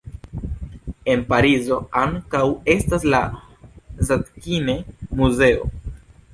En Parizo ankaŭ estas la Zadkine-Muzeo.